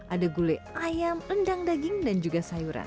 ada gulai ayam rendang daging dan juga sayuran